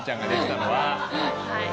はい。